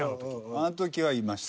あの時はいました。